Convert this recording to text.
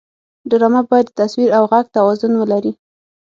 ډرامه باید د تصویر او غږ توازن ولري